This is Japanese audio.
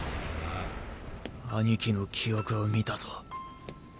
兄貴の記憶を見たぞ。